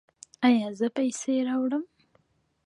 ایا زه پیسې راوړم؟